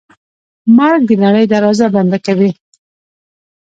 مرګ د نړۍ دروازه بنده کوي.